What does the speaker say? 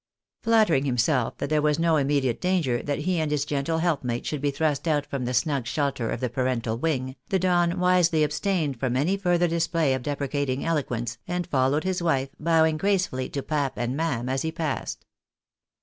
Flattering himself that there was no immediate danger that he and his gentle helpmate should be thrust out from the snug shel ter of the parental wing, the Don wisely abstained from any further display of deprecating eloquence, and followed his wife, bowing gracefuUy to " pap and mam " as he passed.